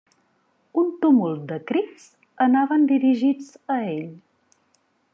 Un tumult de crits anaven dirigits a ell.